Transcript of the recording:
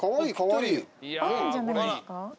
合うんじゃないですか。